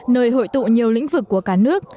nơi hội tụ nhiều lĩnh vực của cả nước